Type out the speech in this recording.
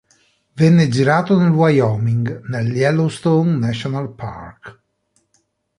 Venne girato nel Wyoming, nel Yellowstone National Park.